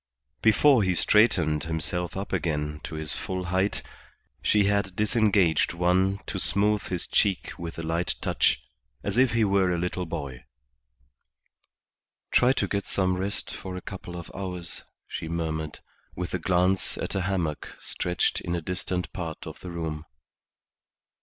Before he straightened himself up again to his full height she had disengaged one to smooth his cheek with a light touch, as if he were a little boy. "Try to get some rest for a couple of hours," she murmured, with a glance at a hammock stretched in a distant part of the room.